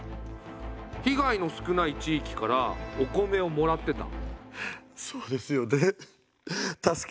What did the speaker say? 被害の少ない地域からお米をもらってた？